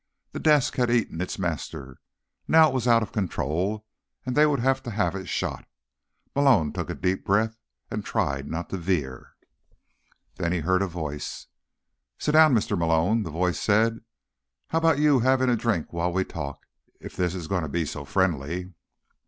The desk had eaten its master. Now it was out of control and they would have to have it shot. Malone took a deep breath and tried not to veer. Then he heard a voice. "Sit down, Mr. Malone," the voice said. "How about you having a drink while we talk? If this is going to be so friendly."